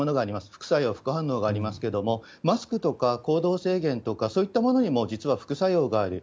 副作用、副反応がありますけれども、マスクとか行動制限とか、そういったものにも実は副作用がある。